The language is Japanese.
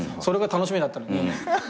それが楽しみだったのに。